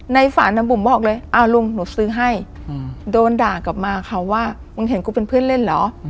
ในฝันบุ๋มบอกเลยลุงหนูซื้อให้โดนด่ากลับมาค่ะว่ามึงเห็นกูเป็นเพื่อนเล่นเหรอ